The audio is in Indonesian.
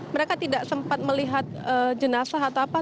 mereka tidak sempat melihat jenazah atau apa